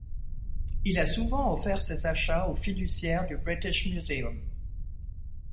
Il a souvent offert ses achats aux fiduciaires du British Museum.